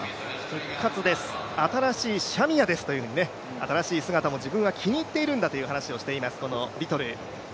復活です、新しいシャミアですと新しい姿も自分は気に入っているんだという話をしています、このリトル。